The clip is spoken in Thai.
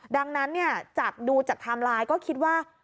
ดังนั้นจากดูจากไทม์ไลน์ก็คิดว่า